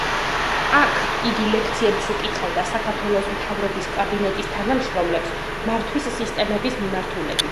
აქ იგი ლექციებს უკითხავდა საქართველოს მთავრობის კაბინეტის თანამშრომლებს მართვის სისტემების მიმართულებით.